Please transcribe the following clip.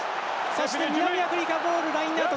そして南アフリカボールラインアウト。